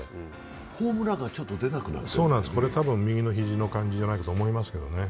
ホームランが出なくなる、これは右の肘の感じじゃないかと思いますけどね。